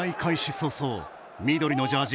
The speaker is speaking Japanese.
早々、緑のジャージ